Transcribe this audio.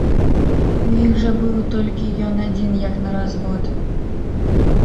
У іх жа быў толькі ён адзін як на развод.